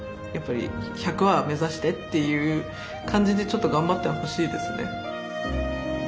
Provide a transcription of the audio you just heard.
やっぱり１００は目指して！っていう感じでちょっと頑張ってはほしいですね。